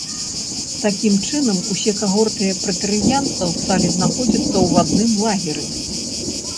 Такім чынам усе кагорты прэтарыянцаў сталі знаходзіцца ў адным лагеры.